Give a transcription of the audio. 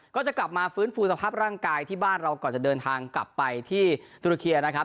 ก็จะกลับมาฟื้นฟูสภาพร่างกายที่บ้านเราก่อนจะเดินทางกลับไปที่ตุรเคียนะครับ